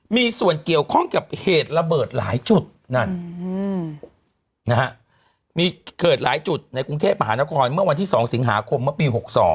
มีส่วนเกี่ยวข้องกับเหตุระเบิดหลายจุดนั่นมีเกิดหลายจุดในกรุงเทพมหานครเมื่อวันที่๒สิงหาคมเมื่อปี๖๒